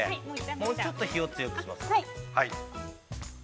もうちょっと火を強くします。